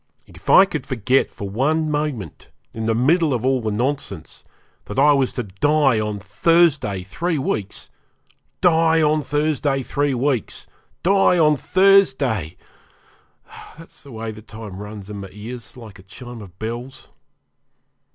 If I could forget for one moment, in the middle of all the nonsense, that I was to die on Thursday three weeks! die on Thursday three weeks! die on Thursday! That's the way the time runs in my ears like a chime of bells.